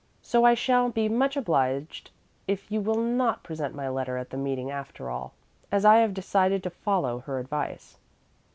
So I shall be much obliged if you will not present my letter at the meeting after all, as I have decided to follow her advice.